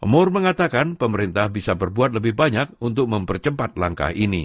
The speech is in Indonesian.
moore mengatakan pemerintah yang menangani perusahaan ini adalah orang yang sangat beruntung untuk hidup di negara ini